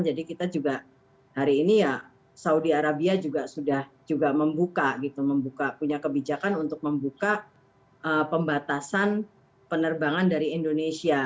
jadi kita juga hari ini ya saudi arabia juga sudah juga membuka gitu membuka punya kebijakan untuk membuka pembatasan penerbangan dari indonesia